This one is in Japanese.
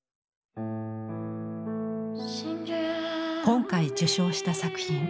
今回受賞した作品。